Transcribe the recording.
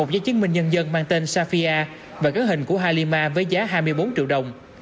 giấy chứng minh nhân dân mang tên safia và ghế hình của halima với giá hai mươi bốn triệu đồng